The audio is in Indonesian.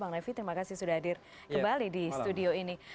bang refri terima kasih sudah hadir kembali di studio